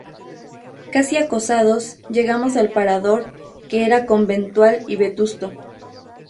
casi acosados, llegamos al parador, que era conventual y vetusto